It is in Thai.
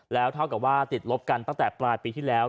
แล้วเท่ากับว่าติดลบกันตั้งแต่ปลายปีที่แล้ว